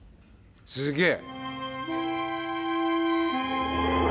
すげえ！